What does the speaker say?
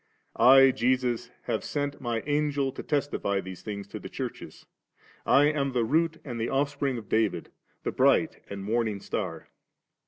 I Jesus have sent My Angel, to testify these things in the Churches. I am the Root and the Offspring of David, the Bright and Morning Star.